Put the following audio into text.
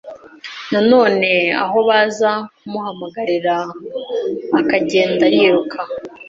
na none aho baza kumuhamagarira akagenda yiruk